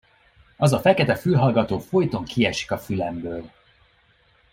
Az a fekete fülhallgató folyton kiesik a fülemből.